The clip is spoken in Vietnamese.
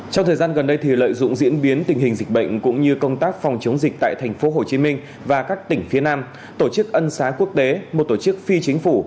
trong thời gian gần đây lợi dụng diễn biến tình hình dịch bệnh cũng như công tác phòng chống dịch tại tp hcm và các tỉnh phía nam tổ chức ân xá quốc tế một tổ chức phi chính phủ